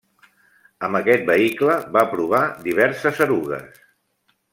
Amb aquest vehicle va provar diverses erugues.